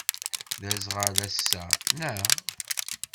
D aẓɣal ass-a, naɣ?